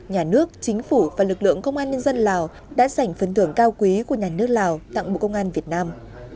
nhà nước chính phủ và lực lượng công an nhân dân lào đã giành phấn tượng cao quế của nhà nước lào tặng bộ công an việt nam